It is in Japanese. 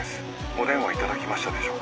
お電話いただきましたでしょうか？